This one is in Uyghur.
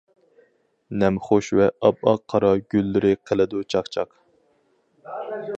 نەمخۇش ۋە ئاپئاق قار گۈللىرى قىلىدۇ چاقچاق.